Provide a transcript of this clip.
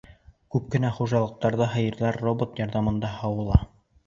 Күп кенә хужалыҡтарҙа һыйырҙар робот ярҙамында һауыла.